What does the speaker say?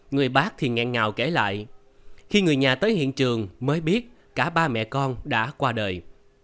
người bác thì nghẹn ngào kể lại khi người nhà tới hiện trường mới biết cả ba mẹ con đã qua đời